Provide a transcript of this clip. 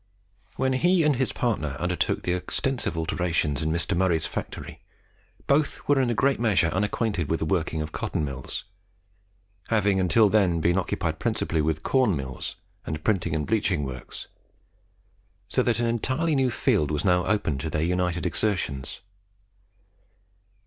When he and his partner undertook the extensive alterations in Mr. Murray's factory, both were in a great measure unacquainted with the working of cotton mills, having until then been occupied principally with corn mills, and printing and bleaching works; so that an entirely new field was now opened to their united exertions.